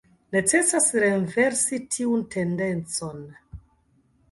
Necesas renversi tiun tendencon.